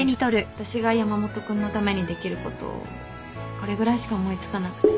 私が山本君のためにできることこれぐらいしか思い付かなくて。